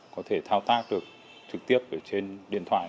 có thể thao tác được trực tiếp trên điện thoại